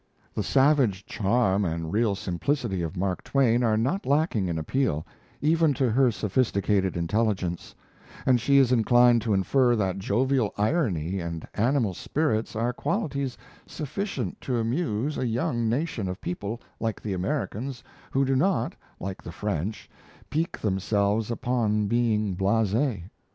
The savage charm and real simplicity of Mark Twain are not lacking in appeal, even to her sophisticated intelligence; and she is inclined to infer that jovial irony and animal spirits are qualities sufficient to amuse a young nation of people like the Americans who do not, like the French, pique themselves upon being blase.